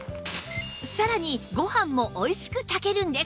さらにご飯もおいしく炊けるんです